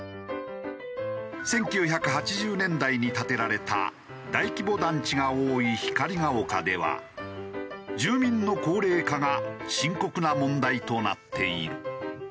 １９８０年代に建てられた大規模団地が多い光が丘では住民の高齢化が深刻な問題となっている。